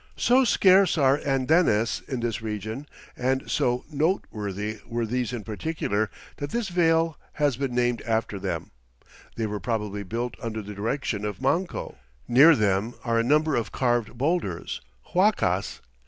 So scarce are andenes in this region and so noteworthy were these in particular that this vale has been named after them. They were probably built under the direction of Manco. Near them are a number of carved boulders, huacas.